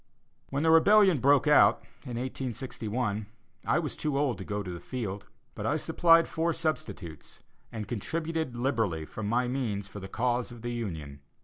When the rebellion broke out in 1861, I was too old to go to the field, but I supplied four substitutes, and contributed liberally from my means for the cause of the Union.